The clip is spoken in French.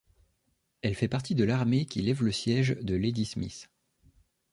Elle fait partie de l'armée qui lève le siège de Ladysmith.